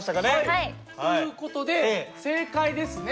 はい！という事で正解ですね。